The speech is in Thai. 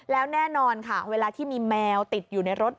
แล้วแน่นอนค่ะเวลาที่มีแมวติดอยู่ในรถ